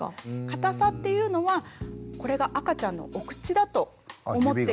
硬さっていうのはこれが赤ちゃんのお口だと思って頂いて。